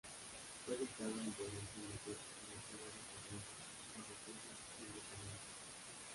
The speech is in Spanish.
Fue editado íntegramente en la ciudad de Corrientes y con recursos independientes.